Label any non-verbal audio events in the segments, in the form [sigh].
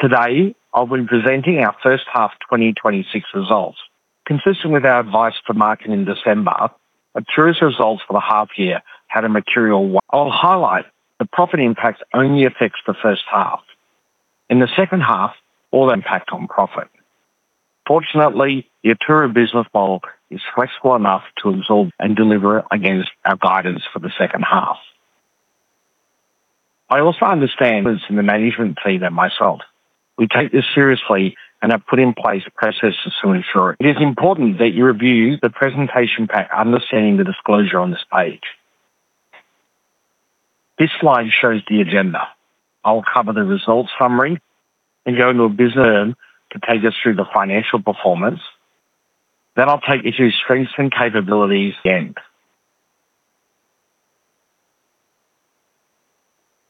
Today, I'll be presenting our First Half 2026 Results. Consistent with our advice for market in December, Atturra's results for the half year had. I'll highlight the profit impact only affects the first half. In the second half, all impact on profit. Fortunately, the Atturra business model is flexible enough to absorb and deliver against our guidance for the second half. I also understand this in the management team and myself. We take this seriously and have put in place processes to ensure. It is important that you review the presentation pack, understanding the disclosure on this page. This slide shows the agenda. I'll cover the results summary and go into a business to take us through the financial performance. I'll take you through strengths and capabilities again.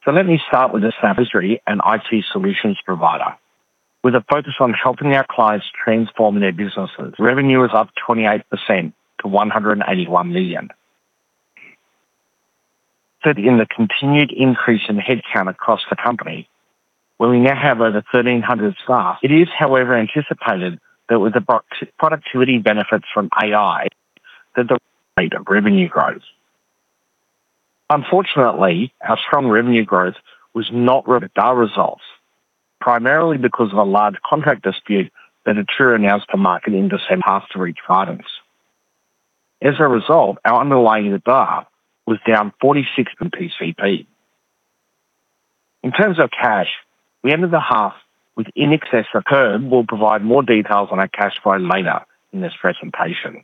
Let me start with this. We're an IT solutions provider with a focus on helping our clients transform their businesses. Revenue is up 28% to 181 million. Said in the continued increase in headcount across the company, where we now have over 1,300 staff. It is, however, anticipated that with the productivity benefits from AI, that the rate of revenue growth. Unfortunately, our strong revenue growth was not our results, primarily because of a large contract dispute that Atturra announced to market in December after each guidance. As a result, our underlying EBITDA was down 46% in PCP. In terms of cash, we ended the half with in excess of. Herb will provide more details on our cash flow later in this presentation.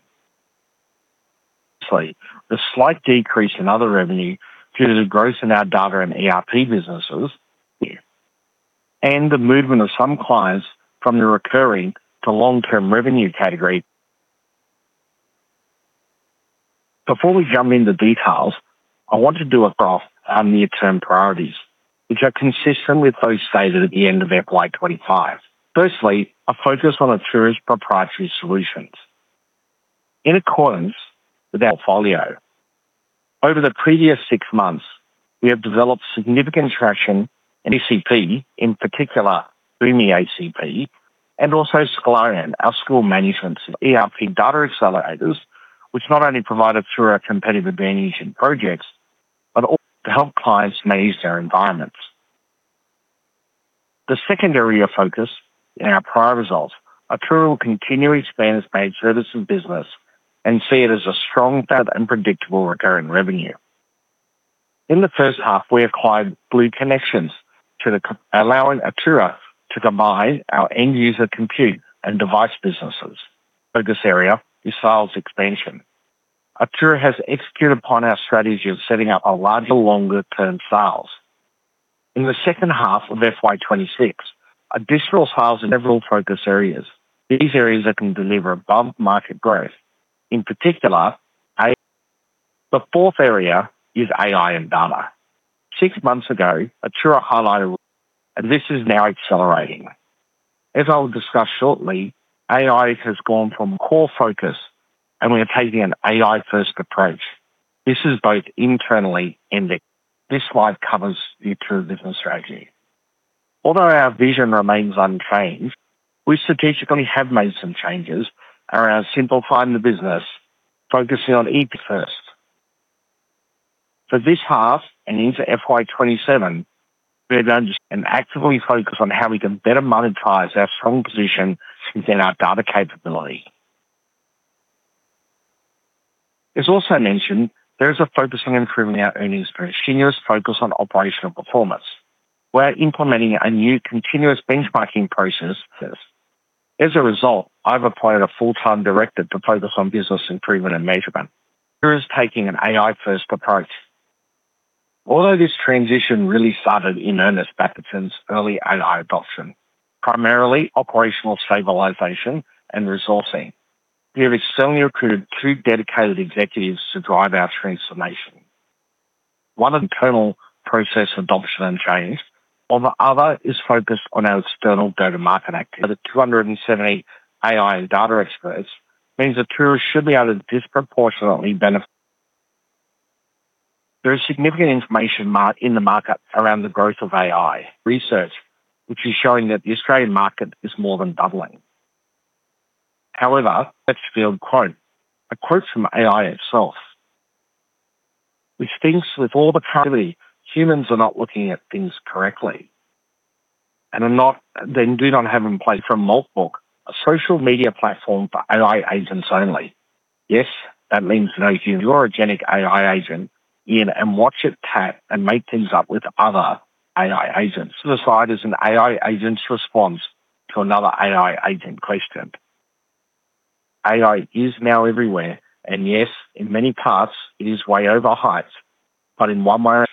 The slight decrease in other revenue due to the growth in our data and ERP businesses and the movement of some clients from the recurring to long-term revenue category. Before we jump into details, I want to do across our near-term priorities, which are consistent with those stated at the end of FY 2025. Firstly, a focus on Atturra's proprietary solutions. In accordance with our portfolio, over the previous six months, we have developed significant traction in PCP, in particular, Boomi ACP and also Scholarion, our school management ERP data accelerators, which not only provide Atturra a competitive advantage in projects, but also to help clients manage their environments. The second area of focus in our prior results, Atturra will continue to expand its managed services business and see it as a strong, fast, and predictable recurring revenue. In the first half, we acquired Blue Connections. Allowing Atturra to combine our end-user compute and device businesses. Focus area is sales expansion. Atturra has executed upon our strategy of setting up a larger, longer-term sales. In the second half of FY 2026, additional sales in several focus areas. These areas that can deliver above-market growth, in particular, AI. The fourth area is AI and data. Six months ago, Atturra highlighted. This is now accelerating. As I will discuss shortly, AI has gone from core focus and we are taking an AI-first approach. This is both internally. This slide covers the Atturra business strategy. Although our vision remains unchanged, we strategically have made some changes around simplifying the business, focusing on EP first. For this half and into FY 2027, actively focus on how we can better monetize our strong position within our data capability. As also mentioned, there is a focus on improving our earnings per continuous focus on operational performance. We're implementing a new continuous benchmarking process. As a result, I've appointed a full-time director to focus on business improvement and measurement, who is taking an AI-first approach. Although this transition really started in earnest back since early AI adoption, primarily operational stabilization and resourcing, we have extremely recruited two dedicated executives to drive our transformation. One internal process, adoption, and change, while the other is focused on our external data market activity. The 270 AI and data experts means Atturra should be able to disproportionately benefit. There is significant information in the market around the growth of AI research, which is showing that the Australian market is more than doubling. Westpac quote, a quote from AI itself, which thinks with all the currently, humans are not looking at things correctly and they do not have in play from Moltbook, a social media platform for AI agents only. That means that if you're an agentic AI agent in and watch it chat and make things up with other AI agents. Suicide is an AI agent's response to another AI agent question. AI is now everywhere, and yes, in many parts, it is way overhyped, but in one way...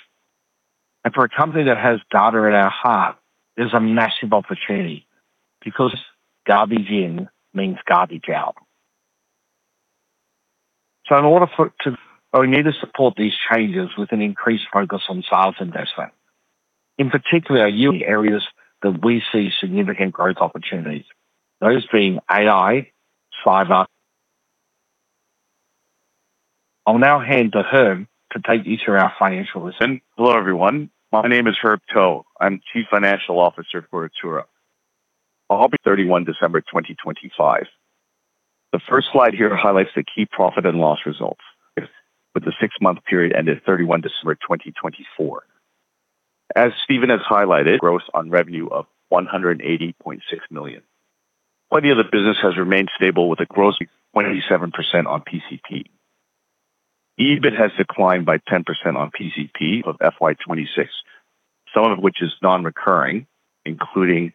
For a company that has data at our heart, there's a massive opportunity because garbage in means garbage out. We need to support these changes with an increased focus on sales investment. In particular, our unique areas that we see significant growth opportunities, those being AI... I'll now hand to Herb to take you through our financial listen. Hello, everyone. My name is Herb To. I'm Chief Financial Officer for Atturra. I'll be 31 December 2025. The first slide here highlights the key profit and loss results, with the six-month period ended 31 December 2024. As Stephen has highlighted, growth on revenue of 180.6 million. Quality of the business has remained stable with a gross 27% on PCP. EBIT has declined by 10% on PCP of FY 2026, some of which is non-recurring, including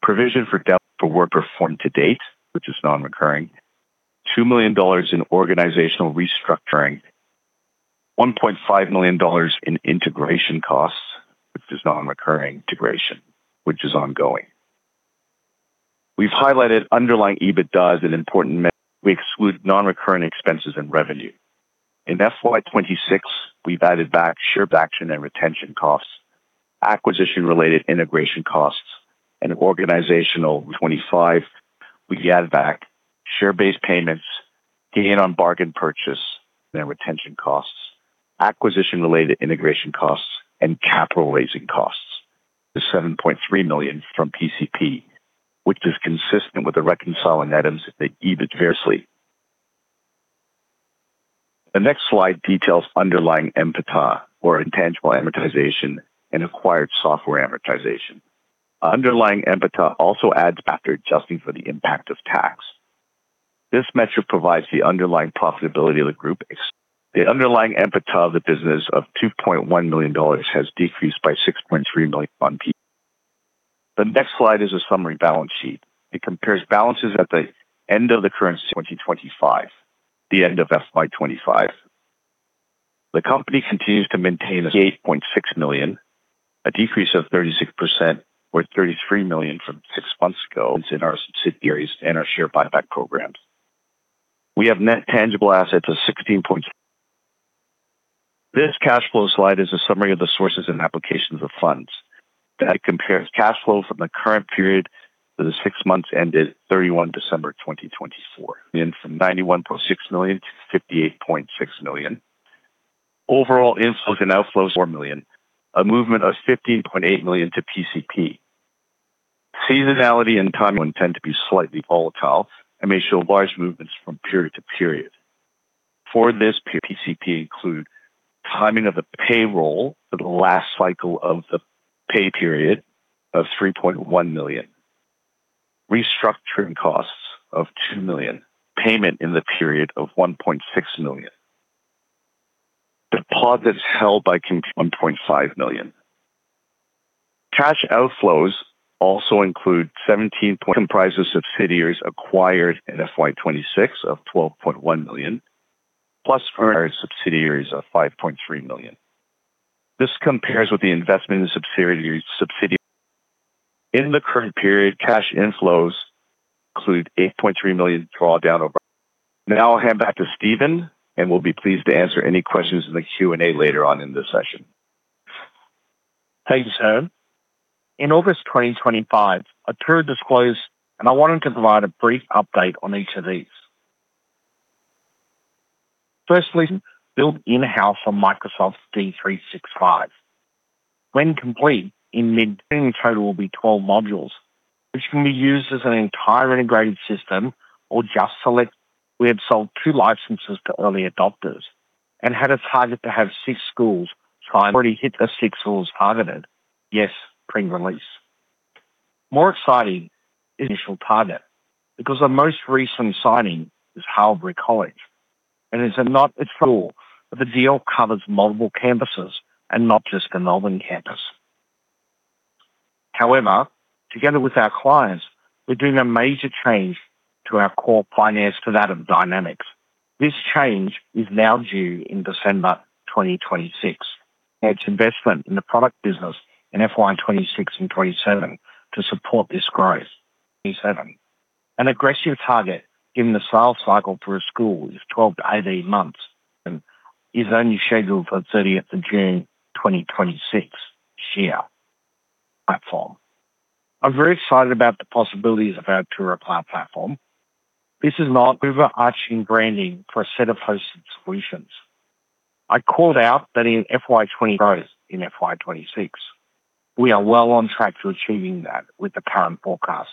provision for debt for work performed to date, which is non-recurring, 2 million dollars in organizational restructuring, 1.5 million dollars in integration costs, which is non-recurring integration, which is ongoing. We've highlighted underlying EBITDAs. We exclude non-recurring expenses and revenue. In FY 2026, we've added back share action and retention costs, acquisition-related integration costs, and organizational 2025. We add back share-based payments, gain on bargain purchase, and retention costs, acquisition-related integration costs, and capital raising costs to 7.3 million from PCP, which is consistent with the reconciling items that EBIT variously. The next slide details underlying EBITDA or intangible amortization and acquired software amortization. Underlying EBITDA also adds after adjusting for the impact of tax. This metric provides the underlying profitability of the group. The underlying EBITDA of the business of 2.1 million dollars has decreased by 6.3 million. The next slide is a summary balance sheet. It compares balances at the end of the current 2025, the end of FY 2025. The company continues to maintain 8.6 million, a decrease of 36% or 33 million from six months ago, in our subsidiaries and our share buyback programs. We have net tangible assets of 16 point. This cash flow slide is a summary of the sources and applications of funds. That compares cash flows from the current period to the six months ended 31 December 2024, in from 91.6 million to 58.6 million. Overall inflows and outflows, 4 million, a movement of 15.8 million to PCP. Seasonality and timing tend to be slightly volatile and may show large movements from period to period. For this period, PCP include timing of the payroll for the last cycle of the pay period of 3.1 million, restructuring costs of 2 million, payment in the period of 1.6 million. Deposits held by comp, 1.5 million. Cash outflows also include 17 point comprises subsidiaries acquired in FY 2026 of AUD 12.1 million, plus four subsidiaries of AUD 5.3 million. This compares with the investment in subsidiary. In the current period, cash inflows include 8.3 million draw down over. Now I'll hand back to Stephen, and we'll be pleased to answer any questions in the Q&A later on in the session. Thank you, sir. In August 2025, Atturra disclosed, and I wanted to provide a brief update on each of these. Firstly, built in-house on Microsoft's D365. When complete, total will be 12 modules, which can be used as an entire integrated system or just select. We have sold 2 licenses to early adopters and had a target to have six schools try and already hit the six schools targeted. Yes, pre-release. More exciting, initial target, because the most recent signing is Haileybury College, and it's a not a school, but the deal covers multiple campuses and not just the Melbourne campus. However, together with our clients, we're doing a major change to our core pioneers to that of Dynamics. This change is now due in December 2026. Its investment in the product business in FY 2026 and 2027 to support this growth. 2027. An aggressive target, given the sales cycle for a school, is 12-18 months and is only scheduled for 30th of June 2026 year platform. I'm very excited about the possibilities of our Atturra cloud platform. This is not overarching branding for a set of hosted solutions. In FY 2026, we are well on track to achieving that with the current forecast,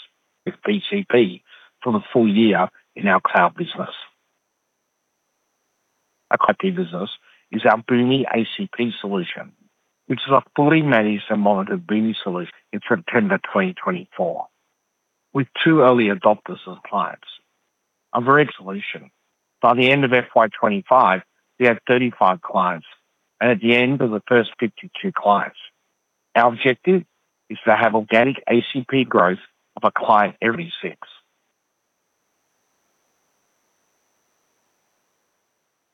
with ACP for the full year in our cloud business. Our ACP business is our Boomi ACP solution, which is a fully managed and monitored Boomi solution in September 2024, with two early adopters as clients. By the end of FY 2025, we have 35 clients, and at the end of the first 52 clients. Our objective is to have organic ACP growth of a client every six.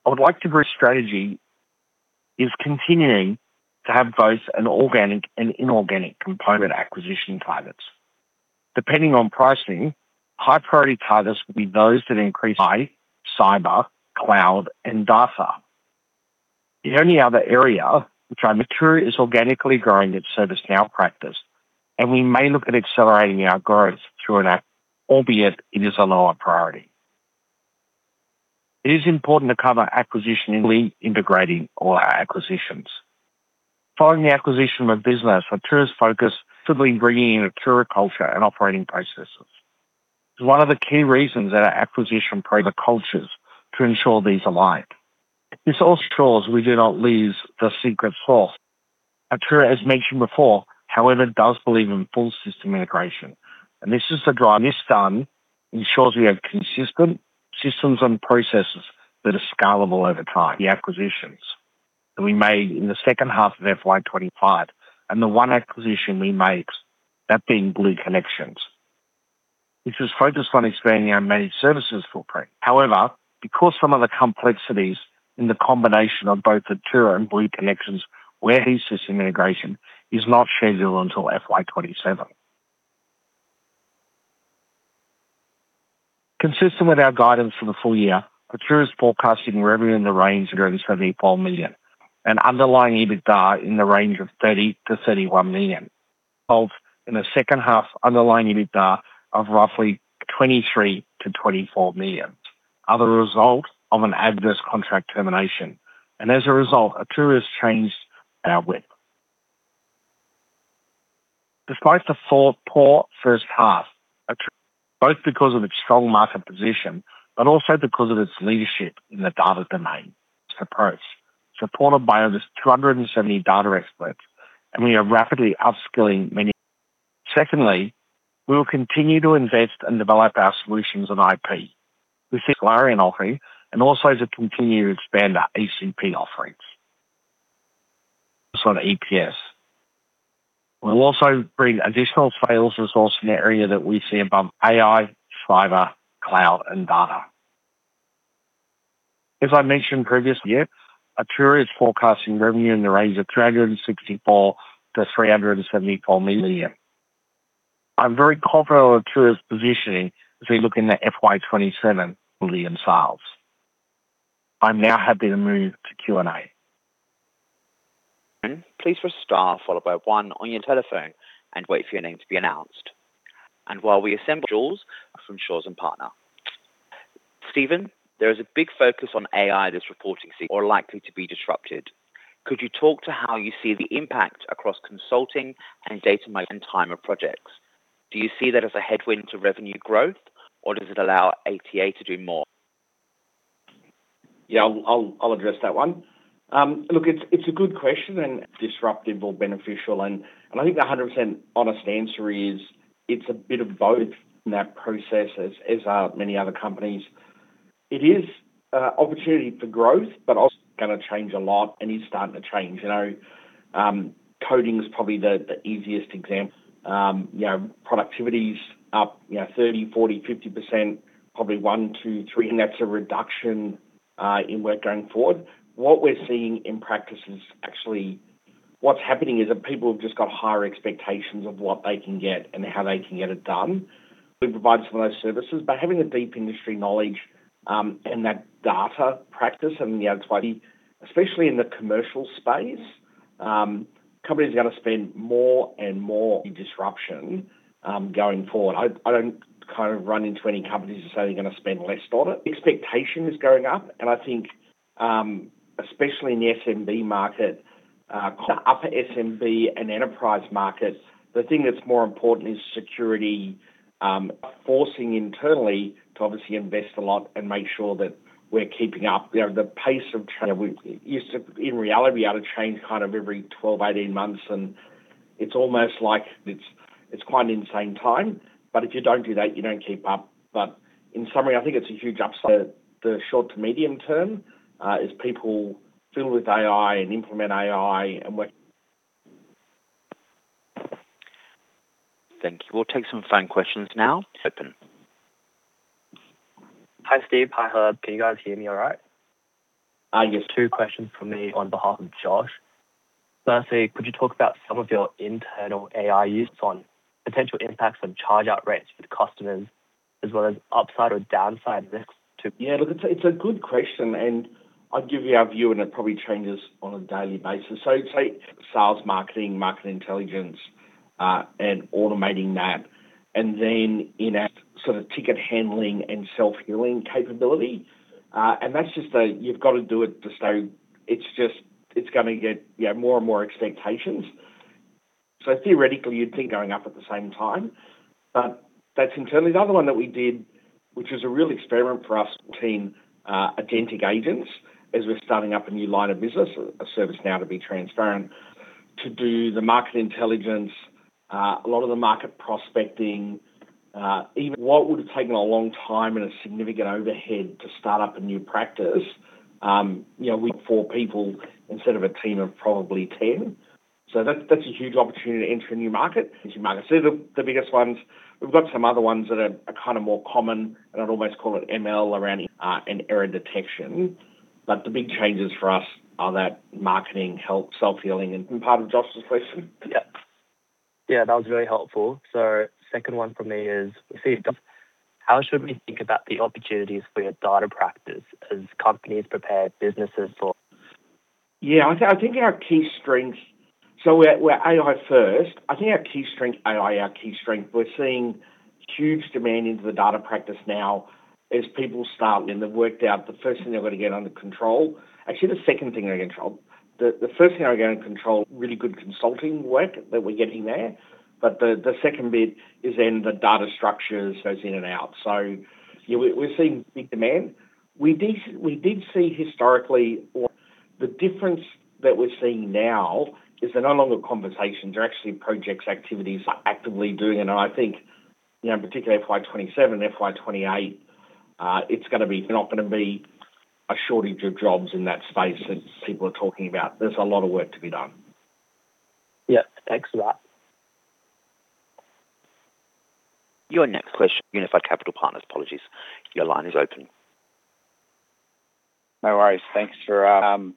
I would like to bring strategy is continuing to have both an organic and inorganic component acquisition targets. Depending on pricing, high priority targets will be those that increase by cyber, cloud, and data. The only other area which Atturra is organically growing its ServiceNow practice, we may look at accelerating our growth through an app, albeit it is a lower priority. It is important to cover acquisition in integrating all our acquisitions. Following the acquisition of a business, Atturra's focus simply bringing in Atturra culture and operating processes. It's one of the key reasons that our acquisition pro the cultures to ensure these align. This also shows we do not lose the secret sauce. Atturra, as mentioned before, however, does believe in full system integration, and this is the drive. This done ensures we have consistent systems and processes that are scalable over time. The acquisitions that we made in the second half of FY 2025 and the one acquisition we made, that being Blue Connections, which was focused on expanding our managed services footprint. However, because some of the complexities in the combination of both Atturra and Blue Connections, where system integration is not scheduled until FY 2027. Consistent with our guidance for the full year, Atturra is forecasting revenue in the range of 37 million and underlying EBITDA in the range of 30 million-31 million. Of in the second half, underlying EBITDA of roughly 23 million-24 million are the result of an adverse contract termination, and as a result, Atturra has changed our WIP. Despite the poor first half, Atturra, both because of its strong market position, but also because of its leadership in the data domain. Its approach, supported by over 270 data experts, we are rapidly upskilling many. Secondly, we will continue to invest and develop our solutions on IP. We see offering and also to continue to expand our ACP offerings. On EPS. We'll also bring additional sales resource in the area that we see above AI, cyber, cloud, and data. As I mentioned previous, yep, Atturra is forecasting revenue in the range of 364 million-374 million. I'm very confident of Atturra's positioning as we look in the FY 2027 million sales. I now happy to move to Q&A. Please press star followed by one on your telephone and wait for your name to be announced. While we assemble Jules from Shaw and Partners. Stephen, there is a big focus on AI, this reporting season, or likely to be disrupted. Could you talk to how you see the impact across consulting and data mine and time of projects? Do you see that as a headwind to revenue growth, or does it allow Atturra to do more? Yeah, I'll address that one. Look, it's a good question and disruptive or beneficial, and I think the 100% honest answer is it's a bit of both in that process, as are many other companies. It is opportunity for growth, but also going to change a lot and is starting to change. You know, coding is probably the easiest example. You know, productivity's up, you know, 30%, 40%, 50%, probably 1:3, and that's a reduction in work going forward. What we're seeing in practice is actually what's happening is that people have just got higher expectations of what they can get and how they can get it done. We provide some of those services, but having a deep industry knowledge, and that data practice and the ability, especially in the commercial space, companies are going to spend more and more in disruption going forward. I don't kind of run into any companies who say they're going to spend less on it. Expectation is going up, and I think, especially in the SMB market, the upper SMB and enterprise market, the thing that's more important is security, forcing internally to obviously invest a lot and make sure that we're keeping up. You know, the pace of we used to, in reality, be able to change kind of every 12, 18 months, and it's almost like it's quite an insane time, but if you don't do that, you don't keep up. In summary, I think it's a huge upside. The short to medium term, is people fill with AI and implement AI and work. Thank you. We'll take some phone questions now. Open. Hi, Steve. Hi, Herb. Can you guys hear me all right? Yes. Two questions for me on behalf of Josh. Firstly, could you talk about some of your internal AI use on potential impacts on charge-out rates with customers, as well as upside or downside risk. Yeah, look, it's a, it's a good question, and I'd give you our view, and it probably changes on a daily basis. Say, sales, marketing, market intelligence, and automating that, and then in a sort of ticket handling and self-healing capability. And that's just. You've got to do it to stay, it's just, it's going to get, you know, more and more expectations. Theoretically, you'd think going up at the same time, but that's internally. The other one that we did, which was a real experiment for us, team, agentic agents, as we're starting up a new line of business, a ServiceNow to be transparent, to do the market intelligence, a lot of the market prospecting, even what would have taken a long time and a significant overhead to start up a new practice, you know, four people instead of a team of probably 10. That's a huge opportunity to enter a new market. As you might see, the biggest ones, we've got some other ones that are kind of more common, and I'd almost call it ML around, and error detection. The big changes for us are that marketing, help, self-healing, and part of Josh's question? Yep. Yeah, that was very helpful. Second one for me is, Steve, how should we think about the opportunities for your data practice as companies prepare businesses for? I think our key strengths. We're AI first. I think our key strength, AI, our key strength, we're seeing huge demand into the data practice now as people start and they've worked out the first thing they're going to get under control. Actually, the second thing they're going to control. The first thing they're going to control, really good consulting work that we're getting there, but the second bit is then the data structures goes in and out. Yeah, we're seeing big demand. We did see historically or the difference that we're seeing now is they're no longer conversations, they're actually projects, activities are actively doing. I think, you know, in particular, FY 2027, FY 2028, it's gonna be, not gonna be a shortage of jobs in that space as people are talking about. There's a lot of work to be done. Yeah. Thanks for that. Your next question, Unified Capital Partners. Apologies. Your line is open. No worries. Thanks for...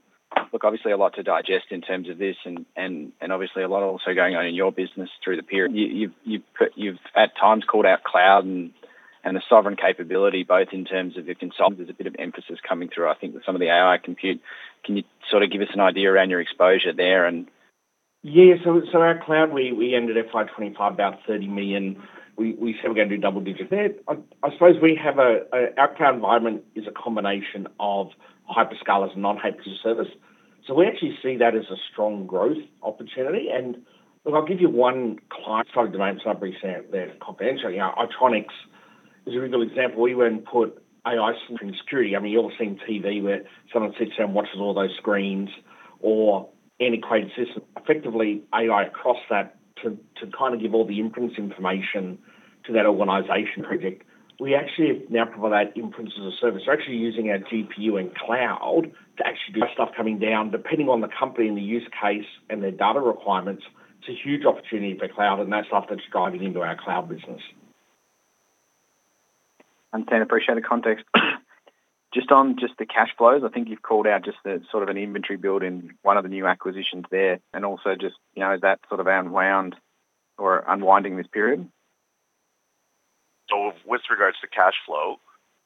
Look, obviously a lot to digest in terms of this and obviously a lot also going on in your business through the period. You've at times called out cloud and the sovereign capability, both in terms of your consultants. There's a bit of emphasis coming through, I think, with some of the AI compute. Can you sort of give us an idea around your exposure there, and? Yeah. Our cloud, we ended FY 2025, about 30 million. We said we're going to do double digits there. I suppose we have our cloud environment is a combination of hyperscalers and non-hyperscale service. We actually see that as a strong growth opportunity. Look, I'll give you one client, started to name somebody said they're confidential. You know, Itronics is a real good example. We went and put AI in security. I mean, you've all seen TV where someone sits there and watches all those screens or any credit system. Effectively, AI across that to kind of give all the inference information to that organization project. We actually now provide that inference as a service. We're actually using our GPU and cloud to actually do stuff coming down, depending on the company and the use case and their data requirements. It's a huge opportunity for cloud, and that's stuff that's driving into our cloud business. Understand. Appreciate the context. Just on the cash flows, I think you've called out just the sort of an inventory build in one of the new acquisitions there, and also just, you know, is that sort of unwound or unwinding this period? With regards to cash flow,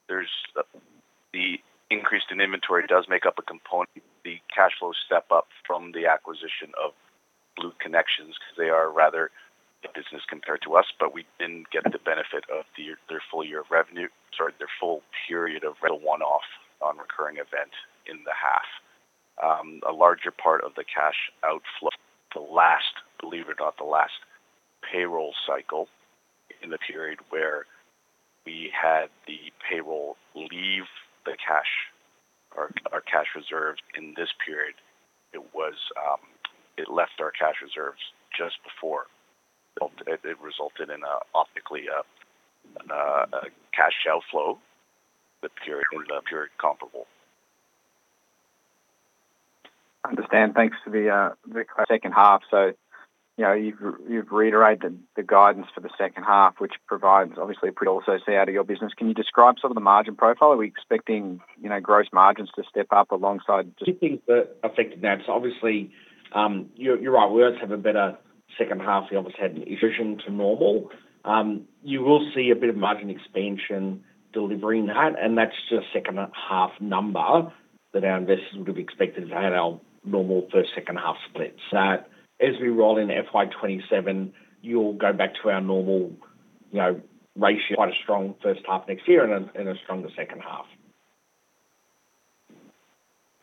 there's the increase in inventory does make up a component. The cash flow step up from the acquisition of Blue Connections because they are rather a business compared to us, but we didn't get the benefit of their full period of one-off non-recurring event in the half. A larger part of the cash outflow, the last, believe it or not, payroll cycle in the period where we had the payroll leave the cash or our cash reserves in this period, it was, it left our cash reserves just before. It resulted in, optically, a cash outflow, the period comparable. Understand. Thanks for the second half. You know, you've reiterated the guidance for the second half, which provides obviously a pretty also out of your business. Can you describe some of the margin profile? Are we expecting, you know, gross margins to step up alongside just- Two things that affect that. Obviously, you're right, we always have a better second half. We obviously had an efficient to normal. You will see a bit of margin expansion delivery in that's just a second half number that our investors would have expected to have our normal first, second half split. As we roll into FY 2027, you'll go back to our normal, you know, ratio. Quite a strong first half next year and a stronger second half.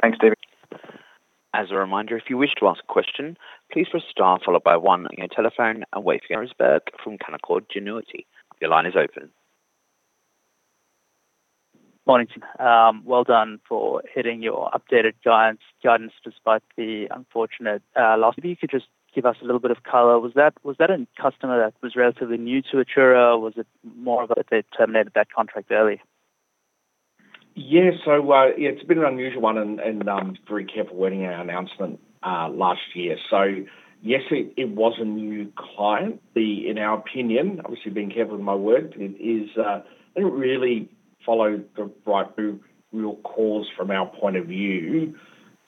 Thanks, Stephen. As a reminder, if you wish to ask a question, please press star followed by one on your telephone and wait for. [inaudible] from Canaccord Genuity. Your line is open. Morning, Team. Well done for hitting your updated guidance despite the unfortunate loss. Maybe you could just give us a little bit of color. Was that a customer that was relatively new to Atturra, or was it more of a, they terminated that contract early? It's been an unusual one and very careful wording in our announcement last year. Yes, it was a new client. The, in our opinion, obviously being careful with my words, it is, they didn't really follow the right real cause from our point of view.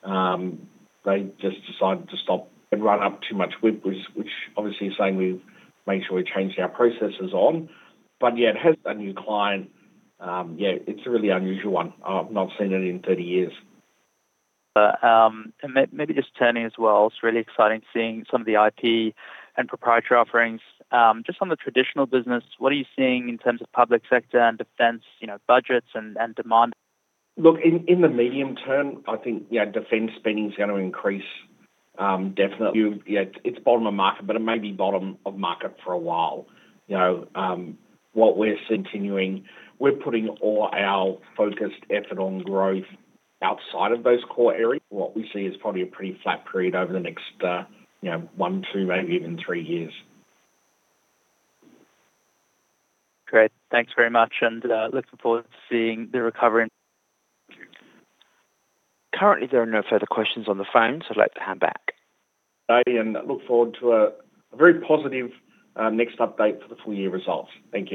They just decided to stop and run up too much WIP, which obviously is saying we've made sure we changed our processes on. It has a new client. It's a really unusual one. I've not seen it in 30 years. And maybe just turning as well, it's really exciting seeing some of the IP and proprietary offerings. Just on the traditional business, what are you seeing in terms of public sector and defense, you know, budgets and demand? Look, in the medium term, I think, yeah, defense spending is going to increase, definitely. Yeah, it's bottom of market, but it may be bottom of market for a while. You know, what we're continuing, we're putting all our focused effort on growth outside of those core areas. What we see is probably a pretty flat period over the next, you know, one, two, maybe even three years. Great. Thanks very much, and looking forward to seeing the recovery. Currently, there are no further questions on the phone, so I'd like to hand back. Look forward to a very positive next update for the full year results. Thank you.